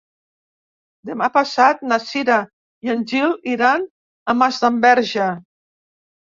Demà passat na Cira i en Gil iran a Masdenverge.